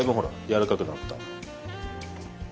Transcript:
柔らかくなった。